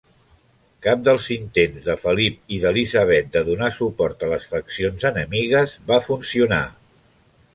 Cap dels intents de Felip i d'Elisabet de donar suport a les faccions enemigues va funcionar.